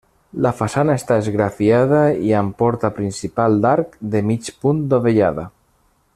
La façana està esgrafiada i amb porta principal d'arc de mig punt dovellada.